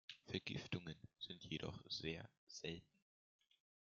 Vergiftungen sind jedoch sehr selten.